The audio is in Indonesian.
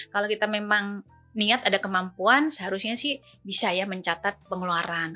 kalau kita memang niat ada kemampuan seharusnya sih bisa ya mencatat pengeluaran